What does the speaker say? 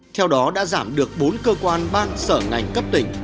theo đó đã giảm được bốn cơ quan ban sở ngành cấp tỉnh